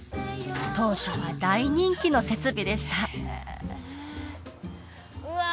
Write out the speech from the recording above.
当初は大人気の設備でしたうわ！